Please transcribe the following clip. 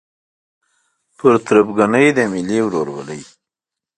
پر تربګنۍ د ملي ورورولۍ